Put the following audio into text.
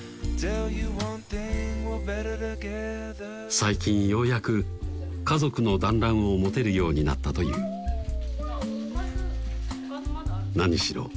最近ようやく家族の団らんを持てるようになったという何しろ